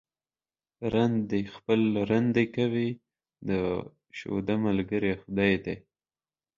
رند دي خپله رندي کوي ، د شوده ملگرى خداى دى.